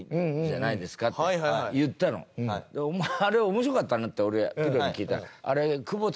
お前あれ面白かったなって俺ぴろに聞いたの。